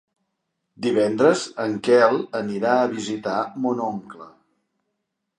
Divendres en Quel anirà a visitar mon oncle.